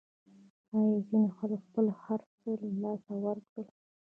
آیا ځینو خلکو خپل هرڅه له لاسه ورنکړل؟